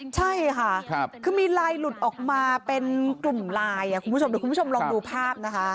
ใช่ค่ะคือมีไลน์หลุดออกมาเป็นกลุ่มไลน์คุณผู้ชมเดี๋ยวคุณผู้ชมลองดูภาพนะคะ